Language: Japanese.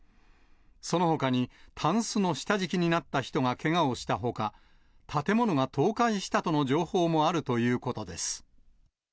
そのほかに、たんすの下敷きになった人がけがをしたほか、建物が倒壊したとの情報もあるということです。